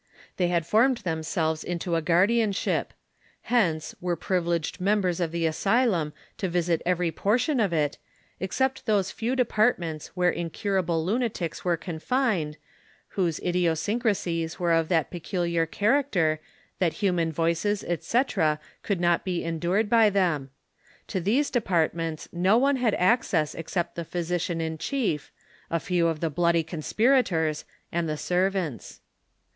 They had formed themselves into a guardianship ; hence, were privileged members of the asylum to visit every por tion of it, except those few departments where incurable lunatics were confined, whose idiosyncrasies were of that peculiar character that human voices, etc., could not be endured by them ; to these departments no one liad access excei)t the physician in chief, a few of the bloody comjnra tors, and the servants.